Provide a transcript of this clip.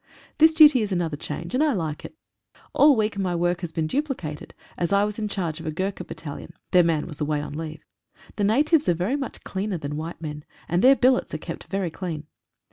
This duty is another change, and I like it. All week my work has been duplicated, as I was in charge of a Gurkha battalion — their man was away on leave. The natives are very much cleaner than white men, and their billets are kept very clean.